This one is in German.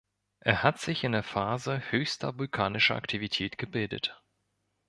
Er hat sich in der Phase höchster vulkanischer Aktivität gebildet.